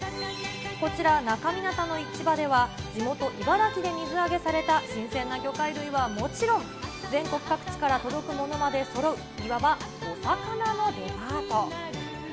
こちら、那珂湊の市場では、地元、茨城で水揚げされた新鮮な魚介類はもちろん、全国各地から届くものまでそろういわばお魚のデパート。